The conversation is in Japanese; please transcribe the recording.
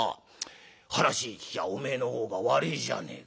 話聞きゃお前のほうが悪いじゃねえか。